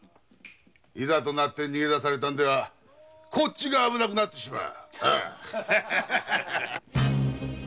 いざとなって逃げられてはこっちが危なくなってしまう！